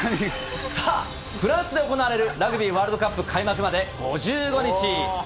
さあ、フランスで行われるラグビーワールドカップ開幕まで５５日。